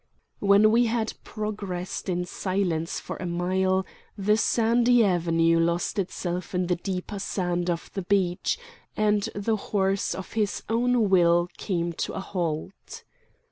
When we had progressed in silence for a mile, the sandy avenue lost itself in the deeper sand of the beach, and the horse of his own will came to a halt.